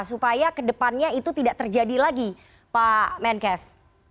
supaya ke depannya itu tidak terjadi lagi pak menkes